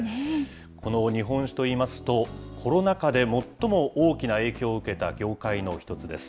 この日本酒といいますと、コロナ禍で最も大きな影響を受けた業界の１つです。